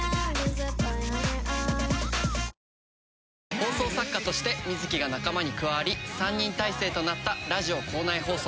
放送作家として瑞輝が仲間に加わり３人体制となったラジオ校内放送。